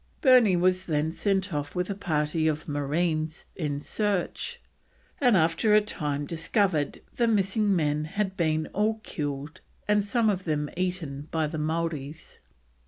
Burney was then sent off with a party of marines in search, and after a time discovered the missing men had been all killed and some of them eaten by the Maoris.